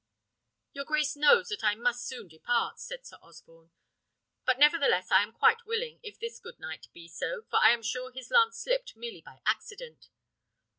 "Your grace knows that I must soon depart," said Sir Osborne; "but, nevertheless, I am quite willing, if this good knight be so, for I am sure his lance slipped merely by accident."